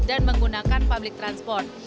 dan menggunakan public transport